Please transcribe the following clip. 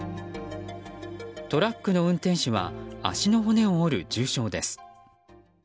トラックの運転手は足の骨を折る重傷です。